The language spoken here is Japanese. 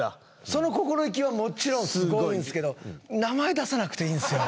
その心意気はもちろんすごいんですけど名前出さなくていいんですよ。